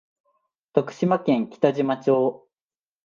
徳島県北島町